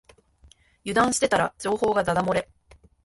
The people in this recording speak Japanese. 油断してたら情報がだだ漏れ